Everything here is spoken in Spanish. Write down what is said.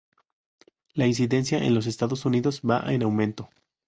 La incidencia en los Estados Unidos va en aumento.